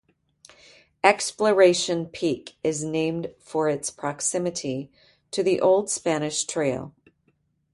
Exploration Peak is named for its proximity to the Old Spanish Trail.